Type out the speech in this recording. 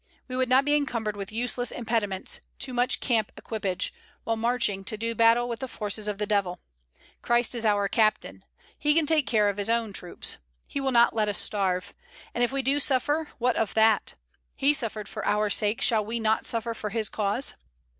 We would not be encumbered with useless impediments too much camp equipage while marching to do battle with the forces of the Devil. Christ is our Captain. He can take care of his own troops. He will not let us starve. And if we do suffer, what of that? He suffered for our sake, shall we not suffer for his cause?"